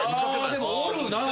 でもおるなぁ。